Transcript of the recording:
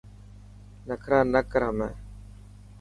نکرا نه ڪر همي.